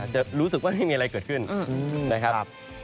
จะรู้สึกว่าไม่มีอะไรเกิดขึ้นนะครับ